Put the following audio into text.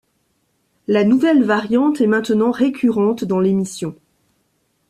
La nouvelle variante est maintenant récurrente dans l'émission.